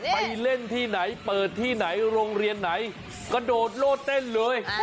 ไปเล่นที่ไหนเปิดที่ไหนโรงเรียนไหนกระโดดโลดเต้นเลย